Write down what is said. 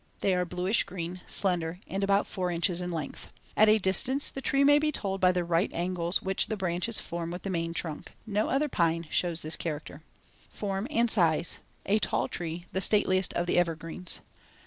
They are bluish green, slender, and about four inches in length. At a distance the tree may be told by the *right angles* which the branches form with the main trunk, Fig. 3. No other pine shows this character. Form and size: A tall tree, the stateliest of the evergreens.